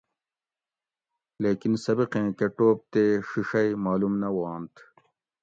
لیکن سبقیں کہ ٹوپ تی ڛِیڛئی معلوم نہ وانتھ